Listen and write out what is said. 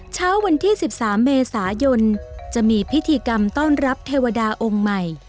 เช้าวันที่๑๓เมษายนจะมีพิธีกรรมต้อนรับเทวดาองค์ใหม่